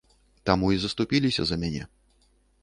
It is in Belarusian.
Таму і заступіліся за мяне.